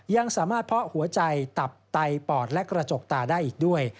ยังสามารถเพาะหัวใจตับไตปอดและกระจกตาได้อีกด้วย